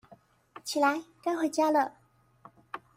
起來，該回家了